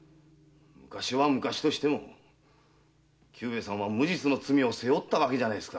昔は昔としても久兵衛さんは無実の罪を背負ったわけですよ。